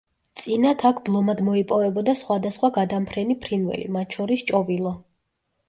წინათ აქ ბლომად მოიპოვებოდა სხვადასხვა გადამფრენი ფრინველი, მათ შორის ჭოვილო.